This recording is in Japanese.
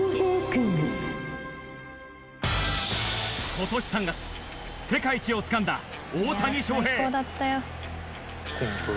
今年３月世界一をつかんだ大谷翔平。